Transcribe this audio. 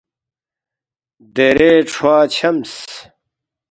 دیرے کھروا چھمس